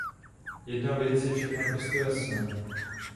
Jedna věc je však naprosto jasná.